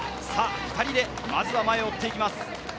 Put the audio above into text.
２人で前を追っていきます。